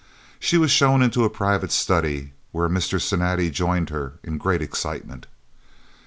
She was shown into a private study, where Mr. Cinatti joined her, in great excitement.